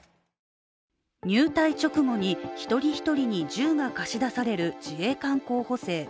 入隊直後に一人一人に銃が貸し出される自衛官候補生。